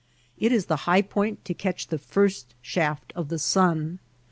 It is the high point to catch the first shaft of the sun.